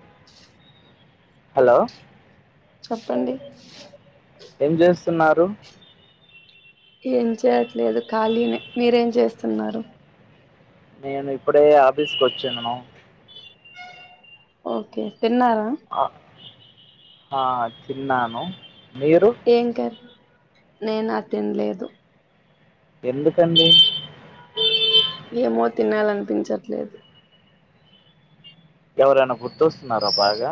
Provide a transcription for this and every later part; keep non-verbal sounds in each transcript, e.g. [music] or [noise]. [unintelligible] Hello. చెప్పండి. ఏం చేస్తున్నారు. ఏం చేయట్లేదు ఖాళీనే మీరేం చేస్తున్నారు. నేను ఇప్పుడే ఆఫీస్ కొచ్చాను. ఓకే తిన్నారా. అ ఆ తిన్నాను మీరు. ఏం కర్ నేనా తినలేదు. ఎందుకండి. ఏమో తినాలనిపించట్లేదు. ఎవరైనా గుర్తొస్తున్నారా బాగా.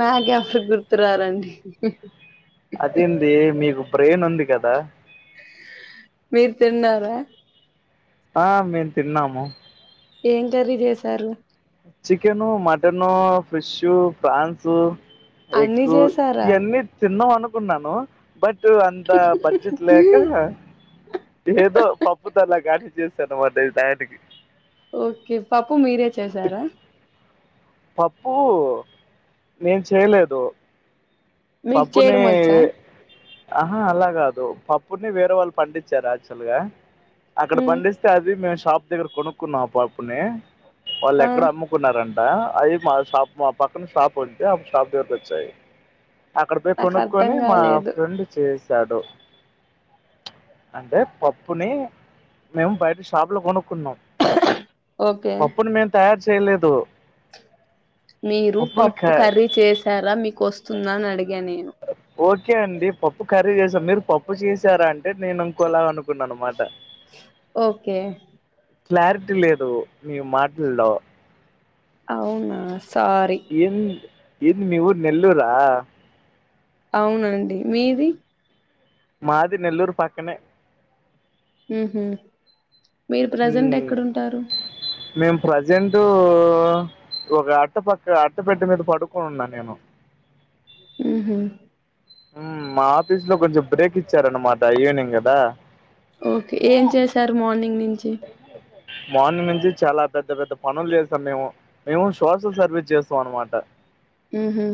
నాకు ఎవరు గుర్తురారండి. అదేందే మీకు బ్రెయిన్ ఉంది కదా. మీరు తిన్నారా. ఆ మేన్ తిన్నాము.. ఏం కర్రీ చేసారు. చికెను, మటను, ఫిష్, ఫ్రాన్సు, అన్ని ఎగ్ చేసారా ఇయన్నీ. తిన్నాం అనుకున్నాను బట్ అంత బడ్జెట్ లేక. ఏదో పప్పుతొ అలా గానీ చేశాను అన్న మాట ఈ టయానికి. ఓకే పప్పు మీరే చేసారా. పప్పు నేన్ చేయలేదు. మీకు పప్పు నీ. చేయడం వచ్చా ఆహా అలా కాదు పప్పుని వేరే వాళ్ళు పండించారు యాక్చువల్ గా అక్కడ ఉమ్, పండిస్. అ అది మేము షాప్ దగ్గర కొనుక్కున్నాం పప్పునే వాళ్ళు ఆ ఎక్కడ అమ్ము. కున్నారంట అవి మా షాప్ మా పక్కన షాప్ ఉంటే ఆ షాప్ దగ్గర వచ్చాయి. అక్కడ పోయి నాకు అర్థం కొనుక్కకుని మా కాలేదు ఫ్రెండ్ చేసాడు అంటే పప్పుని మేము బయట షాపు లో కొనుక్కున్నాం. ఓకే పప్పును మేం తయారు చేయలేదు. మీరు పప్పుని క పప్పు కర్రీ చేసారా మీకు వస్తుంద అని అడిగాను నేను. ఓకే అండి పప్పు ఖర్రీ చేస్తాం మీరు పప్పు చేసారా అంటే నేను ఇనుకోలా అను. న్నాన మాట. ఓకే క్లారిటీ లేదు మీ మాటల్లో. అవునా సారీ. ఇన్ ఏంది మీ ఊరు నెల్లూరా. అవునండి మీది. మాది నెల్లూరు పక్కనే. ఉహు మీరు ప్రజెంట్ ఉమ్, ఎక్కడ ఉంటారు. మేము ప్రజెంటూ. ఒక అట్ట పక్క అట్ట పెట్టె మీద పడుకోనున్నా నేను. ఉహు. మా ఆఫీస్ లో కొంచెం బ్రేక్ ఇచ్చారన్నమాట ఈవెనింగ్ కదా. ఓకే ఏం చేశారు మార్నింగ్ నుంచి. మార్నింగ్ నుంచి చాలా పెద్ద పెద్ద పనులు చేసాం మేము. మేము సోషల్ సర్వీస్ చేస్తాం అన్నమాట. ఉహు.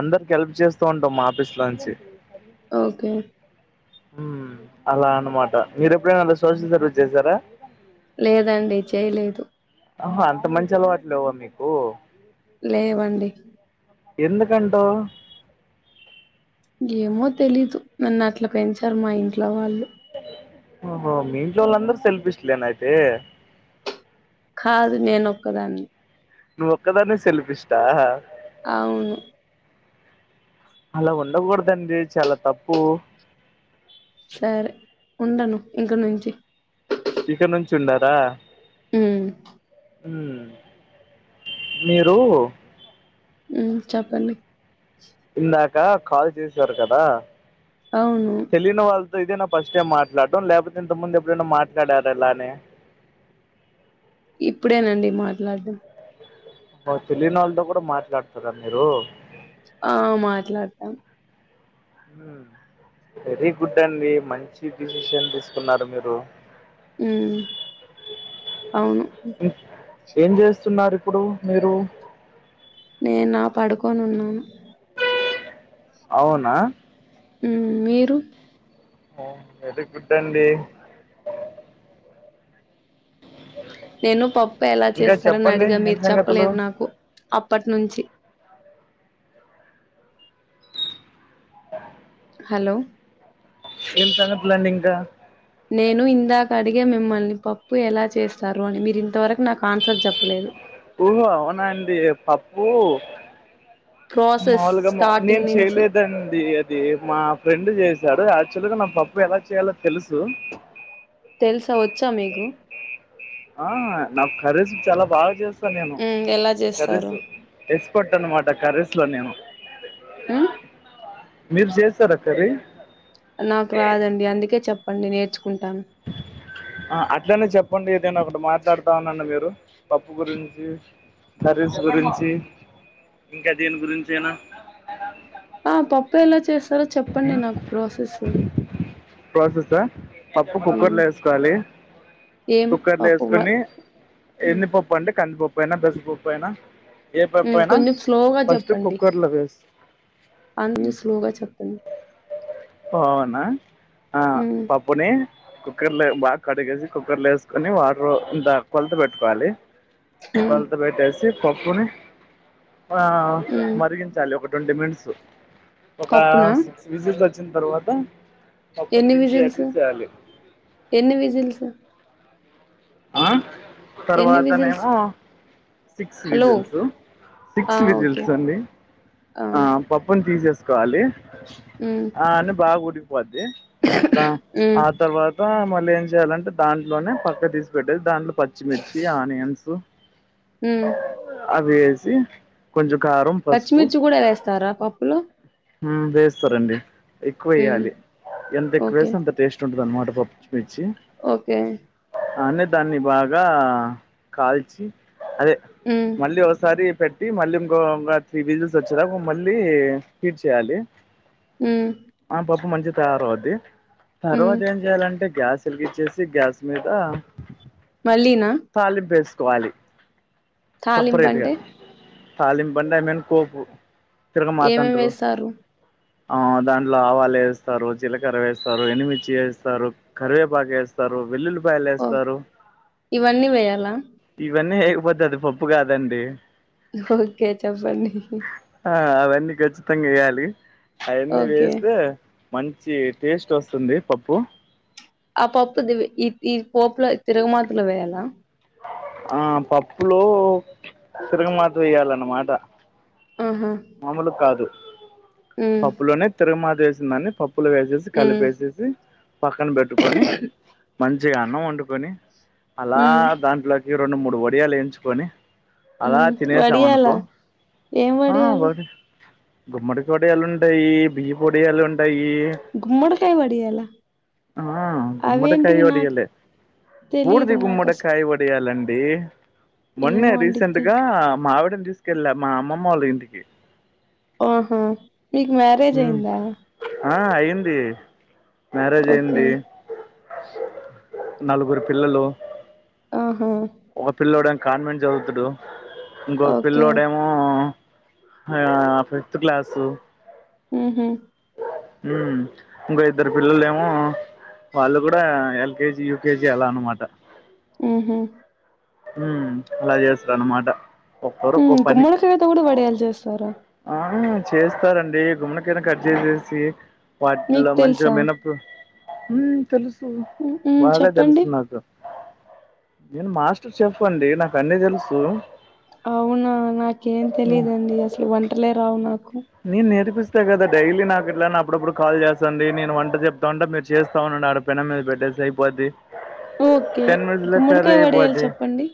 అందరికి హెల్ప్ చేస్తూ ఉంటాం మా ఆఫీస్ లాంచి ఓకే వ్మ్ అలా అన్నమాట మీర ఎప్పుడైనా అలా సోషల్ సర్వీస్ చేశారా లేదండి చేయలేదు ఆహా అంత మంచి అలవాట్ లేవ్వా మీకు లేవండి ఎందుకంటవు ఏమో తెలీదు నన్ను అట్లా పెంచారు మా ఇంట్లో వాళ్ళు ఓహో మీ ఇంట్లో వాళ్ళందరూ సెల్ఫీష్లేనా అయితే కాదు నేనొక్కదాన్ని నువ్వ్ ఒక్కదానివి సెల్ఫ్ ఇష్టా అవును అలా ఉండకూడదండి చాలా తప్పు సరే ఉండను ఇంక నుంచి ఇక నుంచి ఉండారా ఉమ్ హ్మ్ మీరు వ్మ్ చెప్పండి ఇందాక కాల్ చేసారు కదా అవును తెలియని వాళ్ళతో ఇదేనా ఫస్ట్ టైం మాట్లాడటం లేకపోతే ఇంతకుముందు ఎప్పుడైనా మాట్లాడార ఇలానే ఇప్పుడేనండి మాట్లాడడం ఓ తెలియని వాళ్ళతో కూడా మాట్లాడతారా మీరు ఆ మాట్లాడతాం హ్మ్ వెరీ గుడ్ అండి మంచి డిసిషన్ తీసుకున్నారు మీరు వ్మ్ అవును ఇహ్ ఏం చేస్తున్నారు ఇప్పుడు మీరు నేనా పడుకొని ఉన్నాను అవునా వ్మ్ మీరు [unintelligible] ఎడికి పుట్టండి నేను పప్పు ఎలా ఇంకా చేస్తారని చెప్పండి అడిగా ఏం మీరు సంగతులు చెప్పలేదు నాకు అప్పటి నుంచి హలో ఏం సంగతులండి ఇంకా నేను ఇందాక అడిగ మిమ్మల్ని పప్పు ఎలా చేస్తారు అని మీరు ఇంతవరకు నాకు ఆన్సర్ చెప్పలేదు. ఓ అవునా అండి పప్పు ప్రాసెస్ మాములుగా మా స్టార్టింగ్ నేను నుంచి చేయలేదండి అద్ ది మా ఫ్రెండ్ చేశాడు యాక్చువల్ గా నాకు పప్పు ఎలా చేయాలో తెలుసు తెలుసా వచ్చా మీకు ఆ నాకు కర్రీసు చాలా బాగా చేస్తాను నేను మ్మ్ ఎలా చేస్తారు కర్రీసు ఎస్పట్ అన్నమాట కర్రీస్లో నేను మ్మ్ మీరు చేసార కర్రీ నాకు రాదండి అందుకే చెప్పండి నేర్చుకుంటాను ఆ అట్లనే చెప్పండి ఏదైనా ఒకటి మాట్లాడుతా ఉండండి మీరు పప్పు గురించి, కర్రీస్ గురించి ఇంకా దీని గురించి అయినా ఆ పప్పు ఎలా చేసారో చెప్పండి నాకు ప్రాసెస్సు ప్రాసెస్సా పప్పు మ్మ్ కుక్కర్లో యేసుకోవాలి ఏం కుక్కర్లు పప్పు మ వేసుకొని ఎన్నిపప్పు అంటే కందిపప్పు అయినా పెసరపప్పు అయినా ఏ పప్పు మ్మ్ అయినా కొంచెం స్లోగా ఫస్ట్ చెప్పండి కుక్కర్ లో వేసు అన్ని స్లోగా చెప్పండి అవునా ఆ హ్మ్ పప్పుని కుక్కర్లో బాగా కడుగేసి కుక్కర్ లో యేసు కొని వాటర్ ఇంత కొలత పెట్టుకోవాలి హ్మ్ కొలత పెట్టేసు పప్పుని ఆ హ్మ్ మరిగించాలి ఒక ట్వంటీ మినిట్స్ ఒక పప్పునా సిక్స్ విజిల్స్ వచ్చిన తర్వాత పప్పుని ఎన్ని దించి విజిల్సు ఎగిసేయాలి ఎన్ని విజిల్సు ఆ ఎన్ని విజిల్స్ తర్వాతనేమో సిక్స్ హలో విజిల్స్ ఆ! Six okay. విజిల్స్ అండి ఆ పప్పును తీసేసుకోవాలి మ్మ్ అవన్ని బాగా ఉడికిపోద్ది దా హ్మ్. ఆ తర్వాత మళ్ళీ ఏం చేయాలంటే దాంట్లోనే పక్క తీసుకు పెట్టేసి దాంట్లో పచ్చిమిర్చి ఆనియన్స్ మ్మ్ అవి యేసి కొంచెం కారం పచ్చిమిర్చి కూడా యేస్తారా పప్పులో మ్మ్ వేస్తారండి ఎక్కువ హ్మ్. యేయ్యాలి ఎంత ఎక్కువ ఓకే. వేస్తే అంత టేస్ట్ ఉంటుంది అన్నమాట పప్పు మిర్చి ఓకే అని దాన్ని బాగా కాల్చి అదే ఉను మళ్ళీ ఒకసారి పెట్టి మళ్ళీ ఇంకో ఇంకొ త్రీ విజిల్స్ వచ్చేదాకా మళ్ళీ హీట్ చేయాలి ఉనా ఆ పప్పు మంచిగా తయారు అవుద్ది హ్మ్. తర్వాత ఏం చేయాలంటే గ్యాస్ వెలిగిచ్చేసి గ్యాస్ మీద మళ్ళీ నా తాలింపు యేసుకోవాలి సపరేట్ గా తాలింపంటే తాలింపు అంటే ఐ మీన్ కోపు ఏమేమి వేసారు ఆ దాంట్లో ఆవాలు యేస్తారు జీలకర్ర వేస్తారు ఎండు మిర్చి వేస్తారు కరివేపాకు యేస్తారు వెల్లుల్లిపాయలు ఓహ్! యేస్తారు ఇవన్నీ వేయాలా? ఇవన్నీ ఏయ్యాకపోతే అది పప్పు కాదండి ఓకే చెప్పండి హి హి ఆ అవన్నీ ఖచ్చితంగా యేయ్యాలి అయన్నీ ఓకే. వేస్తే మంచి టేస్ట్ వస్తుంది పప్పు ఆ పప్పు ది ఈ ఈ పోపులో తిరగుమాతలో వేయాలా ఆ పప్పులో తిరగమాత వేయాలన్నమాట ఆహా మామలు కాదు హ్మ్. పప్పులోనే తిరుగుమాత వేసిన్దాన్ని పప్పులు వేసేసి హ్మ్ కలిపేసేసి పక్కన పెట్టుకొని మంచిగా అన్నం వండుకొని అలా హ్మ్ దాంట్లోకి రెండు మూడు వడియాలేయించుకొని అలా హ్మ్ వడియాలా తినేసామనకో ఏం ఆ ఓ వడియాలు? గుమ్మడి ఒడియాలుంటాయి బియ్యపోడియాలుం టాయి గుమ్మడికాయ వడియాలా? ఆ గుమ్మడికై అవేంటివి నాకు ఒడియాలే తెలీదు నాకస్ కై ఒడియాలండి మొన్నే ఏమో రీసెంట్ అండిద్ది. గా మా ఆవిడన్ తీస్ కెల్ల మా అమ్మోమొల్ల ఇంటికి ఓహా మీకు మ్యారేజ్ ఉమ్ అయిందా ఆ అయింది మ్యారేజ్ ఓకే. అయింది నలుగురు పిల్లలు ఆహా ఒక పిల్లోడెం కాన్వెంట్ చదువుతుడు ఇంకో ఓకే. పిల్లోడెమో వో ఆ ఫిఫ్త్ క్లాసు ఊహు ఉ ఇంకో ఇద్దరు పిల్లలేమో వాళ్ళు కూడా ఎల్కేజీ యూకేజీ అలా అనమాట ఊహు హూ అలా చేస్తారన్మాట ఒక్కోరు ఒక్కో హ్మ్. పని గుమ్మడికాయతో గూడా వడియాలు చేస్తారా? ఆ చేస్తారండి గుమ్మనకాయని కట్ చేసేసి మీకు వాటిలో మంచిగా తెలుసా? మిన ప్ హూ తెలుసు హ్మ్. హ్మ్. బాగా చెప్పండి. తెలుసు నాకు నేన్ మాస్టర్ చెఫ్ అండి నాకన్నీ తెలుసు అవునా నాకేం ఉమ్ తెలిదాండి అసలు ఒంటలే రావు నాకు నేను నేర్పిస్తా కదా డైలీ నాకు ఇట్లానే అప్పుడప్పుడు కాల్ చేస్తుంది నేను వంట చెప్తా ఉంటా మీరు చేస్తా ఉండండాల పేనం మీద పెట్టేశాయి అయిపొద్ది ఓకే. టెన్ మినిట్స్ లో కర్రీ గుమ్మడికాయ వడియాలు అయిపోది చెప్పండి.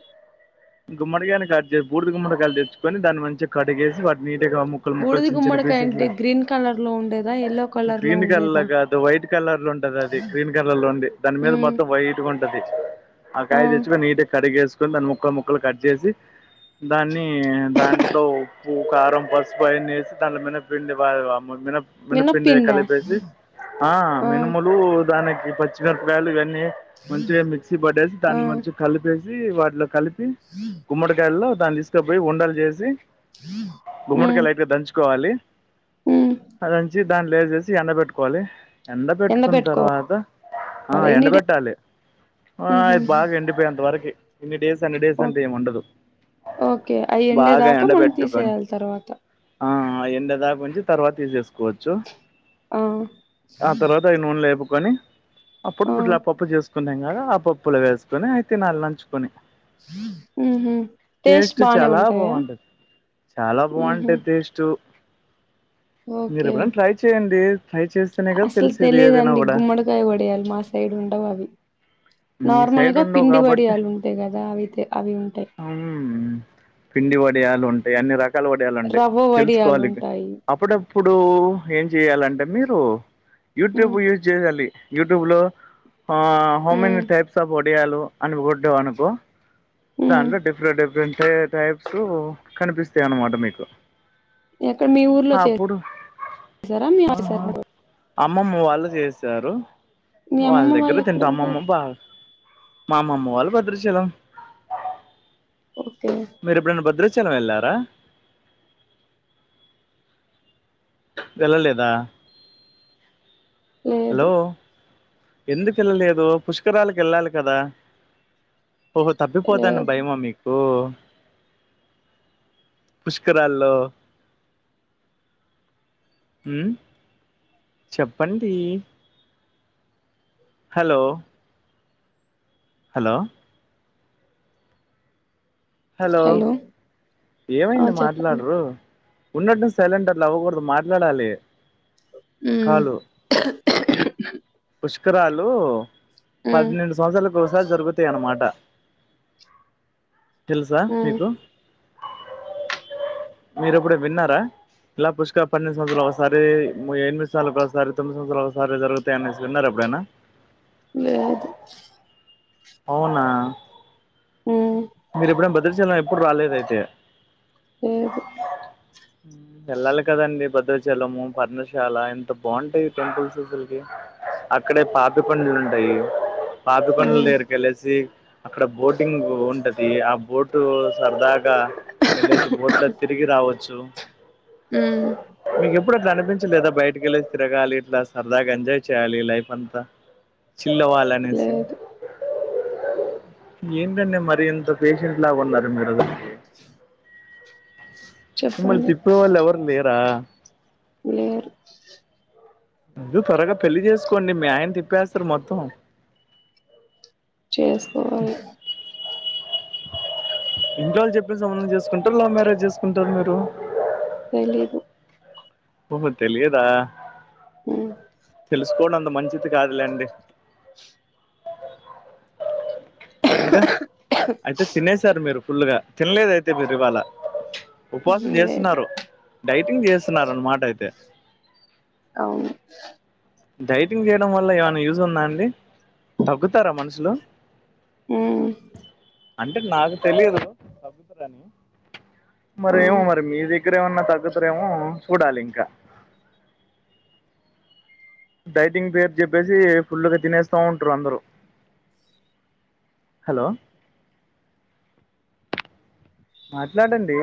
గుమ్మడికాయని కట్ చేసి బూర్దు గుమ్మడికాయలు తెచ్చుకొని దాన్ని మంచిగా కటింగ్ చేసి వాటి నీటిగా ముక్కలు ముక్కలు బూడిది చిన్న చిన్న గుమ్మడికాయ పీసెస్ అంటే లా గ్రీన్ కలర్ లో ఉండేదా ఎల్లో కలర్ లో గ్రీన్ కలర్లా ఉండేదా కాదు వైట్ కలర్ లో ఉంటది అది గ్రీన్ కలర్ లో ఉంది దాన్ని మీద ఉమ్ మొత్తం వైటు గుం టాది ఆ కాయ తెచ్చుకొని నీట్ గా కడిగేసుకొన్ దాన్ని ముక్కలు ముక్కలు కట్ చేసి దాన్ని దాంట్లో ఉప్పు కారం పసుపు ఆయన్నేసి తల మింద పిండి పడది వామ్మో మినప్ మినపిండి అవి మినపిండా కలిపేసి ఆ మినుములు దానికి పచ్చిమిరపకాయలు ఇవన్నీ డే మంచిగా మిక్సీ పట్టేసి ఆ దాన్ని మధ్య కలిపేసి వాటిలో కలిపి [inaudible] గుమ్మడికాయల్లో దాన్ని తీస్కపోయి ఉండలు చేసి ఉమ్ గుమ్మడికాయలు అయితే దంచుకోవాలి ఉమ్ అదంచి దాన్ని లేచేసి ఎండబెట్టుకోవాలి ఎండ పెట్టుకున్న ఎండబెట్టుకోవాలి తర్వాత ఆ ఎండ ఎన్ని డే బెట్టాలే ఆ ఉహు ఇది బాగా ఎండిపోయేంత వరకి ఇన్ని డేస్ అన్ని డేస్ ఓ అంటూ ఏం ఉండదు ఓకే అయి బాగా ఎండేదాకా మనం ఎండబెట్టుకొని తీసేయాలి తర్వాత ఆ ఎండేదాకుంచి తర్వాత తీసేసుకోవచ్చు ఆ ఆ తర్వాత సో ఈ నూన్లో వేపుకుని అప్పుడు ఆ ఇట్లా పప్పు చేసుకున్నాం కదా ఆ పప్పులో వేసు కొని అయితే నళ్ళు నంచుకొని ఉహు టేస్ట్ బానే చాలా ఉంటాయా బావుంటది, చాలా ఉహు బావుంటది టేస్ట్ టు ఓకే మీరెప్పుడన ట్రై చేయండి ట్రై చేస్తేనే కద అసలు తెలిసేది ఏదైనా తెలియదండి గూడా గుమ్మడికాయ వడియాలు మా సైడ్ ఉండవవి నార్మల్ సైడ్ గా ఉండవు పిండి కాబట్టి వడియాలు ఉంటయి గదా అవితె అవి ఉంటయి ఉమ్ పిండి వడియాలు ఉంటయి అన్ని రకాల వడియాలుంటయి రవ్వ వడియాలు ఉంటాయి అప్పుడప్పుడూ ఏం జేయాలంటే మీరు యూట్యూబ్ ఉమ్ యూజ్ జేయల్లి యుట్యూబ్ లో హ ఉమ్ హోమని టైప్ సబ్ ఒడియాలు అనుగొట్టవనుకో హ్మ్ దాంట్లో డిఫ్ ఫరెంట్ డిఫరెంట్ సే టైప్స్ కనిపిస్తయన్నమాట మీకు ఎక్కడ మీ ఊరు అప్పుడు హ హా చేసారా? అమ్మమ్మ వాళ్ళు జేసారు మీ వాళ్ళ అమ్మమ్మ దగ్గరె తింటా వాళ్ళెక్కడుంటారు? అమ్మమ్మ బా మా అమ్మమ్మ వాళ్ళు భద్రచలం ఓకే మీరెప్పుడైనా భద్రాచలం ఎళ్ళారా వెళ్ల లేదా లేదు ఎందుకెళ్ళలేదు పుష్కరాలకి యెళ్ళాలి కదా ఓహో తప్పిపోతాన్న లేదు. భయమా మీకు ఓ పుష్కరాల్లో ఉమ్ చెప్పండి హలో హలో హలో ఆ! ఏమైంది చెప్పండి. మాట్లాడరు ఉన్నట్టున్డి సైలెంట్ అట్ల అవ్వకూడదు మాట్లాడాలి హ్మ్. కాలు పుష్కరాలు హ్మ్. పన్నేండు సంవత్సరాలకు ఒకసారి జరుగుతాయన్నమాట తెలుసా హ్మ్. మీకు [inaudible] మీరెప్పుడు విన్నారా ఇలా పుష్క పన్నెండు సంవత్సల ఒకసారి మ్ ఎనిమిది సాల్ల ఒకసారి తొమ్మిది సంవత్సరాలకోసారి జరుగుతాయనేసి విన్నరా ఎప్పుడైనా లేదు అవునా ఉమ్ మీరెప్పుడన్ బద్రచలం ఎప్పుడు రాలేదయితే లేదు ఎళ్లాలి కదండి భద్రాచలము, పర్ణశాల ఎంత బావుంటయి టెంపుల్స్ అసల్కి అక్కడే పాపికొండలు ఉంటాయి పాపకొండ్లు హ్మ్. దగ్గర్కెళ్ళేసి అక్కడ బోటింగ్ ఉంటది ఆ బోటు సరదాగ్ గా ఎల్లేసి బోట్ లో తిరిగి రావచ్చు హ్మ్. మీకెపుడ్ ప్పుడు అట్ల అనిపించలేదా బయటికెల్లెసి తిరగాలి ఇట్లా సరదగా ఎజాయ్ చేయాలి లైఫ్ంతా చిల్లవాలి అనేసి లేదు. ఏంటండి మరీ ఇన్ త పేషెంట్ లాగున్నారు మీరు హ మిమ్మల్ తిప్పేవాల్ ఎవ్వర్లేరా లేరు మీరు త్వరగా పెళ్లి చేసుకోండి మీ ఆయన తిప్పేస్తారు మొత్తం చేసుకోవాలి. ఇంట్లో వాళ్ళు చెప్పిన సంబంధం చేసుకుంటారు లవ్ మ్యరేజ్ చేసుకుంటారా మీరు తెలీదు ఓహో తెలియదా ఉమ్ తెలుసుకోవడం అంత మంచిది కాదులేండి ఇంకా అయితే తినేసారు మీరు ఫుల్గా తినలేదా అయితే మీరు ఇవాళ ఉపవాసం హ్మ్. లేదు. చేస్తున్నారు డైటింగ్ చేస్తున్నారు అన్నమాట అయితే అవును డైటింగ్ చేయడం వల్ల ఏమైనా యూజ్ ఉందా అండి తగ్గుతారా మనుషులు ఉమ్ అంటే నాకు తెలియదు మరేమో ఆ! మరి మీది ఇప్పుడు ఏమన్నా తగ్గుతారా ఏమో చూడాలి ఇంకా డైటింగ్ పేర్ చెప్పేసి ఫుల్ గా తినేస్తా ఉంటారు అందరూ హలో మాట్లాడండి